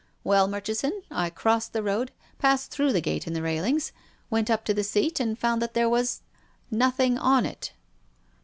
Well, Murchison, I crossed the road, passed through the gate in the railings, went up to the seat, and found that there was — nothing on it."